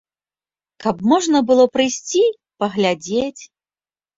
Каб можна было прыйсці паглядзець.